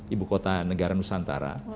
ibu kota negara nusantara